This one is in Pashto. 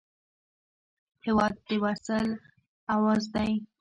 هېواد د وصل اواز دی.